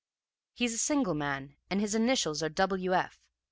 "'He's a single man, and his initials are W.